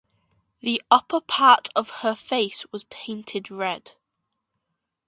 The upper part of her face was painted red.